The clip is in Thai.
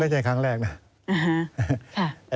ไม่ใช่ครั้งแรกนะ